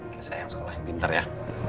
oke sayang sekolah yang pinter ya